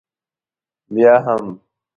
بیا هم.